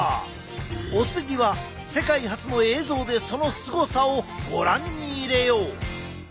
お次は世界初の映像でそのすごさをご覧に入れよう！